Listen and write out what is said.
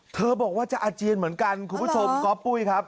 บอกว่าจะอาเจียนเหมือนกันคุณผู้ชมก๊อปปุ้ยครับ